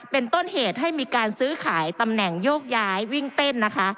เป็นต้นเหตุให้มีการซื้อขายตำแหน่งโยกย้ายวิ่งเต้นนะคะ